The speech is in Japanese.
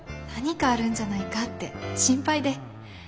何かあるんじゃないかって心配で。